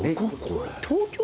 東京？